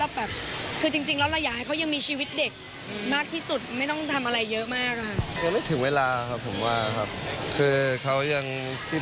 แล้วแบบคือจริงแล้วเราอย่าให้เขายังมีชีวิตเด็กมากที่สุด